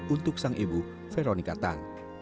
untuk sang ibu vero nikatan